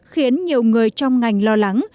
khiến nhiều người trong ngành lo lắng